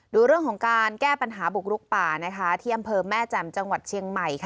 ดูเรื่องของการแก้ปัญหาบุกลุกป่าที่อำเภอแม่แจ่มจังหวัดเชียงใหม่